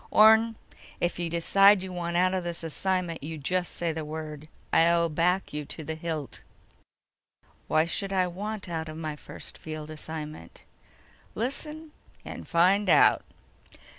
"Orne, if you decide you want out of this assignment, you just say the word. I'll back you to the hilt." "Why should I want out of my first field assignment?" "Listen, and find out."